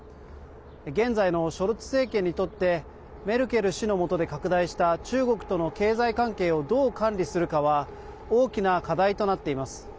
現在のショルツ政権にとってメルケル氏のもとで拡大した中国との経済関係をどう管理するかは大きな課題となっています。